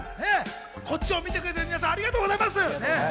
こっちを見てくれてる皆さん、ありがとうございます。